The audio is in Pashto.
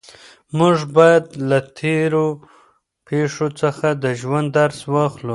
موږ باید له تېرو پېښو څخه د ژوند درس واخلو.